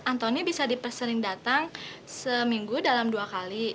antoni bisa diperseling datang seminggu dalam dua kali